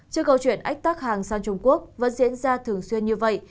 trước câu chuyện ách tắc hàng sang trung quốc vẫn diễn ra thường xuyên như vậy